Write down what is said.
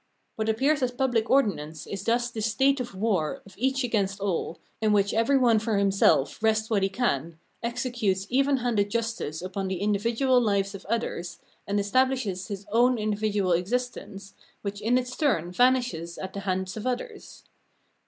What appears as public ordinance is thus this state of war of each against all, in which every one for himself wrests what he can, executes even handed justice upon the individual hves of others, and estabhshes his own individual existence, which in its turn vanishes at the hands of others.